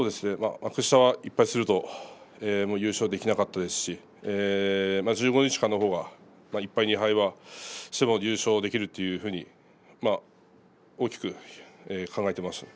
幕下は１敗すると優勝できなかったですし１５日間は１敗２敗はしても優勝できるというところ大きく考えていました。